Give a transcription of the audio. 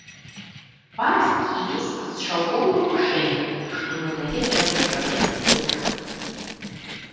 Парасткі і лісце з шаўковым апушэннем, што надае дрэву серабрысты колер.